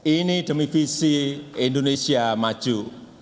ini demi visi indonesia maju